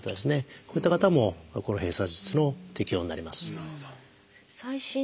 こういった方もこの閉鎖術の適用になります。